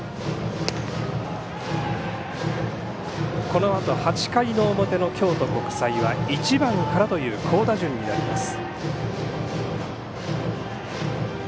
このあと８回の表の京都国際は１番からという好打順になります。